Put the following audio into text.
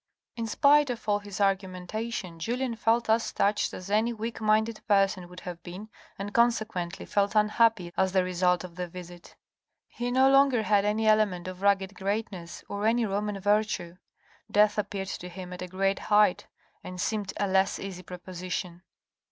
In spite of all his argumentation, Julien felt as touched as any weak minded person would have been, and consequently felt unhappy as the result of the visit. He no longer had any element of rugged greatness, or any Roman virtue. Death appeared to him at a great height and seemed a less easy proposition.